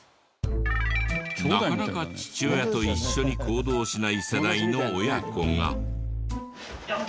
なかなか父親と一緒に行動しない世代の親子が。